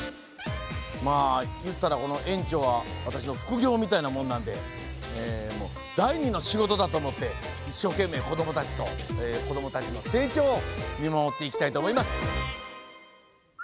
まあ、この園長は私の副業みたいなもんなんで第２の仕事だと思って一生懸命、子どもたちと子どもたちの成長を見守っていきたいと思います。